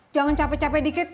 jangan capek capek dikit